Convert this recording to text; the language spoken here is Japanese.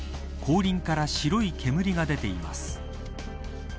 後輪から白い煙が出ています。